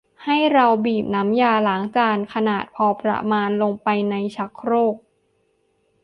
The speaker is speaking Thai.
ให้เราบีบน้ำยาล้างจานขนาดพอประมาณลงไปในชักโครก